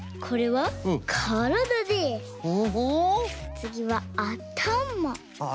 つぎはあたまを。